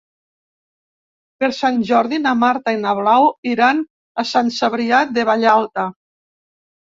Per Sant Jordi na Marta i na Blau iran a Sant Cebrià de Vallalta.